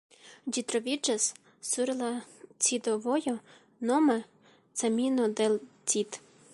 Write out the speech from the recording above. Ĝi troviĝas sur la Cido-vojo nome "Camino del Cid".